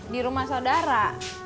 di rumah sodara